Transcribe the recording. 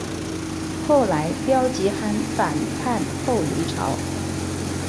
后来刁吉罕反叛后黎朝。